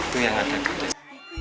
itu yang ada di sini